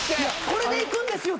これでいくんですよ